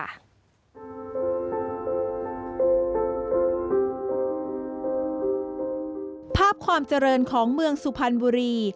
ภาพความเจริญของเมืองสุพรรณบุรี